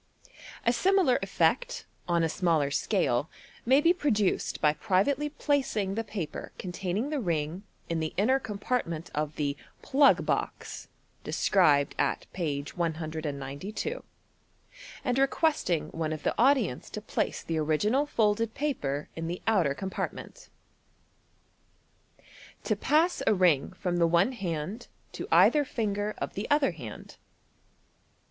A similar effect, on a smaller scale, may be produced by privately placing the paper containing the ring in the inner compirtment of the " plug box " (described at page 192), and requesting one of the audience to place the original folded paper in the outer compart. ment. To Pass a Ring from the one Hand to either Finger op the other Hand.